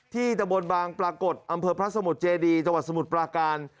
ตะบนบางปรากฏอำเภอพระสมุทรเจดีจังหวัดสมุทรปราการ